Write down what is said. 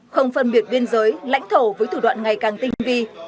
không phân biệt biên giới lãnh thổ với thủ đoạn ngày càng tinh vi